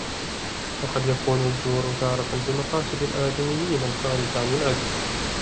وَقَدْ يَكُونُ الْجَوْرُ تَارَةً بِمَقَاصِدِ الْآدَمِيِّينَ الْخَارِجَةِ عَنْ الْعَدْلِ